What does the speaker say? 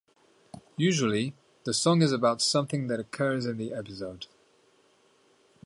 Usually, the song is about something that occurs in the episode.